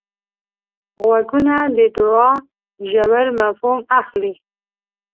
غوږونه د دوعا ژور مفهوم اخلي